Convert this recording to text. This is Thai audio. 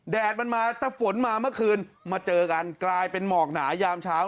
แดดมันมาถ้าฝนมาเมื่อคืนมาเจอกันกลายเป็นหมอกหนายามเช้า